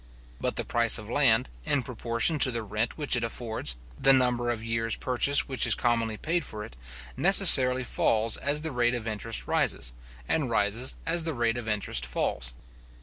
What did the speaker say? But the price of land, in proportion to the rent which it affords, the number of years purchase which is commonly paid for it, necessarily falls as the rate of interest rises, and rises as the rate of interest falls.